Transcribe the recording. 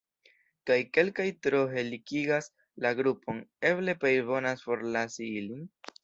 Kaj kelkaj tro helikigas la grupon: eble plejbonas forlasi ilin?